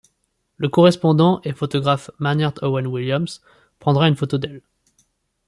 Le correspondant et photographe Manyard Owen Williams prendra une photo d'elle.